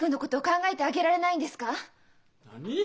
何？